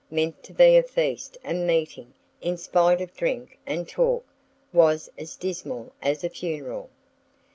Meant to be a feast, the meeting, in spite of drink and talk, was as dismal as a funeral.